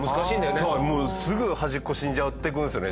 そうもうすぐ端っこ死んじゃっていくんですよね